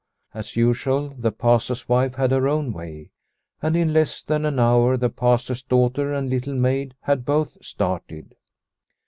As usual, the Pastor's wife had her own way, and in less than an hour the Pastor's daughter and Little Maid had both started.